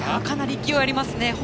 かなり勢いありますね。